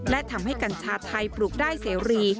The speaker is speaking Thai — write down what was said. และทำให้กัญชาไทยปลูกได้เสรี